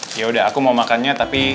kamu kan harus berangkat ngajar